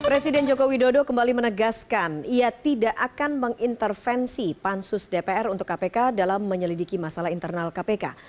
presiden jokowi dodo kembali menegaskan ia tidak akan mengintervensi pansus dpr untuk kpk dalam menyelidiki masalah internal kpk